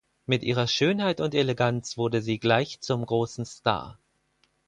Mit ihrer Schönheit und Eleganz wurde sie gleich zum großen Star.